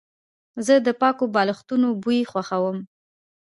زه د پاکو بالښتونو بوی خوښوم.